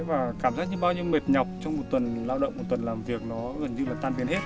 và cảm giác như bao nhiêu mệt nhọc trong một tuần lao động một tuần làm việc nó gần như là tan biến hết